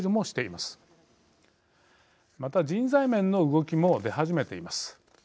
また、人材面の動きも出始めています。